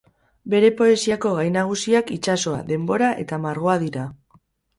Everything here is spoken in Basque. Bere poesiako gai nagusiak itsasoa, denbora eta margoa dira.